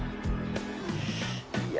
いや。